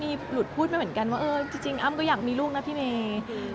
มีหลุดพูดไปเหมือนกันว่าเออจริงอ้ำก็อยากมีลูกนะพี่เมย์